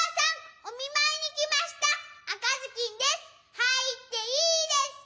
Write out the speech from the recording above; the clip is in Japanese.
はいっていいですか？